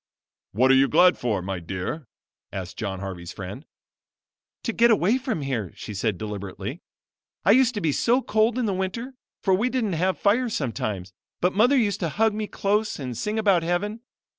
"What are you glad for, my dear?" asked John Harvey's friend. "To get away from here," she said deliberately. "I used to be so cold in the winter, for we didn't have fire sometimes; but mother used to hug me close and sing about heaven.